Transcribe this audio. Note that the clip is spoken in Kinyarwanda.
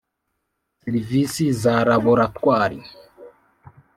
serivisi za laboratwari